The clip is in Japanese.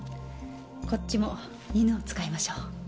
こっちも犬を使いましょう。